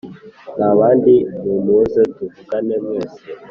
nabandi numuze tuvugane mwese